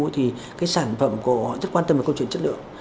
thì cái sản phẩm của họ rất quan tâm vào câu chuyện chất lượng